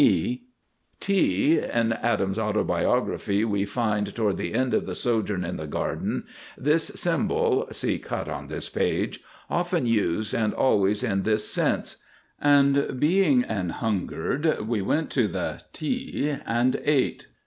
T [Illustration: T] In Adam's Autobiography we find, toward the end of the sojourn in the Garden, this symbol (see cut on this page) often used and always in this sense, "And being an hungered we went to the and ate."